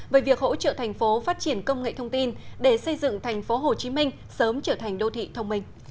về việc hỗ trợ thành phố phát triển công nghệ thông tin để xây dựng tp hcm sớm trở thành đô thị thông minh